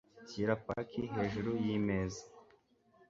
Shyira paki hejuru yimeza.